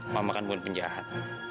mama kan bukan penjahat